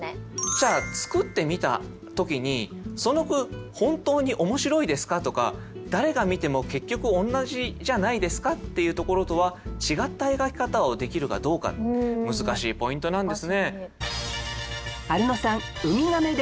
じゃあ作ってみた時に「その句本当に面白いですか？」とか「誰が見ても結局同じじゃないですか？」っていうところとは違った描き方をできるかどうか難しいポイントなんですね。